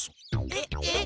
えっえっ？